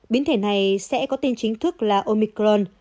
biến thể này sẽ có tên chính thức là omicron